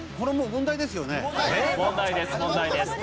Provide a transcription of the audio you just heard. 問題です問題です。